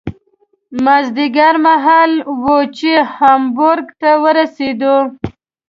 مازدیګر مهال و چې هامبورګ ته ورسېدو.